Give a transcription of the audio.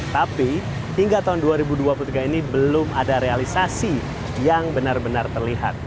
tapi hingga tahun dua ribu dua puluh tiga ini belum ada realisasi yang benar benar terlihat